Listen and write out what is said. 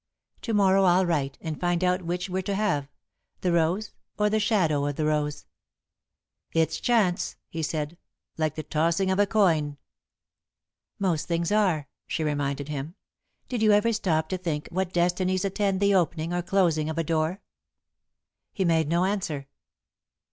To morrow I'll write, and find out which we're to have the rose, or the shadow of the rose." "It's chance," he said, "like the tossing of a coin." "Most things are," she reminded him. "Did you ever stop to think what destinies attend the opening or closing of a door?" He made no answer.